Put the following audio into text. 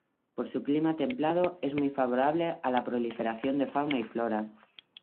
Por su clima templado, es muy favorable a la proliferación de fauna y flora.